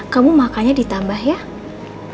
kamu makanya ditambahin kemampuan ini ma